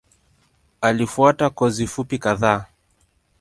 Alifuata kozi fupi kadhaa.